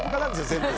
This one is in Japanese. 全部。